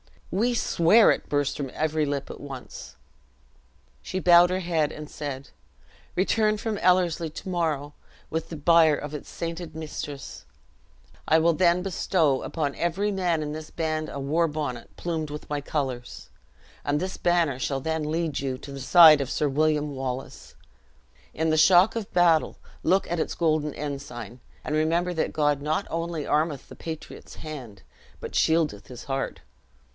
"We swear it," burst from every lip at once. She bowed her head, and said, "Return from Ellerslie to morrow, with the bier of its sainted mistress, I will then bestow upon every man in this band a war bonnet plumed with my colors; and this banner shall then lead you to the side of Sir William Wallace. In the shock of battle look at its golden ensign, and remember that God not only armeth the patriot's hand, but shieldeth his heart.